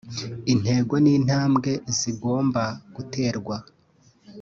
intego n’intambwe zigomba guterwa